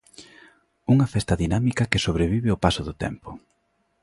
Unha festa dinámica que sobrevive o paso do tempo.